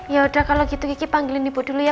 ya udah kalau gitu kiki panggil ibu dulu ya